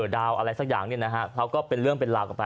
ดาวอะไรสักอย่างเนี่ยนะฮะเขาก็เป็นเรื่องเป็นราวกันไป